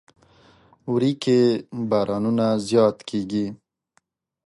وری کې بارانونه زیات کیږي.